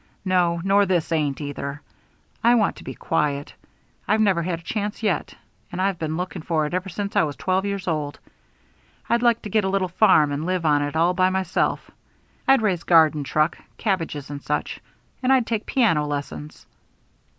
No, nor this ain't, either. I want to be quiet. I've never had a chance yet, and I've been looking for it ever since I was twelve years old. I'd like to get a little farm and live on it all by myself. I'd raise garden truck, cabbages, and such, and I'd take piano lessons."